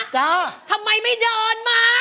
ก็ทำไมไม่เดินมา